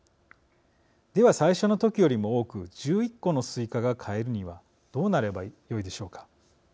では、最初の時よりも多く１１個のすいかが買えるにはどうなればよいでしょうか。